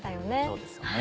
そうですよね